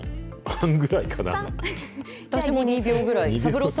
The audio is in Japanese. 私も２秒ぐらい。